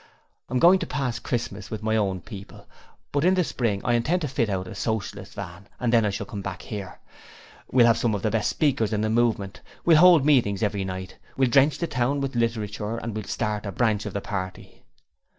I'm going to pass Christmas with my own people, but in the spring I intend to fit out a Socialist Van, and then I shall come back here. We'll have some of the best speakers in the movement; we'll hold meetings every night; we'll drench the town with literature, and we'll start a branch of the party.'